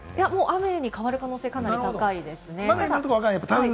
雨に変わる可能性がかなり高いです。